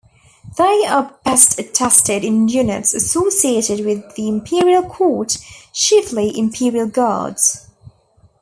They are best attested in units associated with the imperial court, chiefly imperial guards.